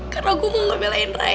karena gue mau ngobelain raya